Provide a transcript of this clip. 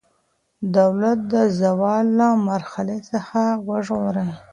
دولت د زوال له مرحلې څخه وژغورئ.